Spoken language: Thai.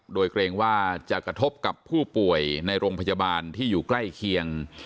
โดยเกรงว่าจะกระทบกับผู้ป่วยในโรงพยาบาลที่อยู่ใกล้เคียง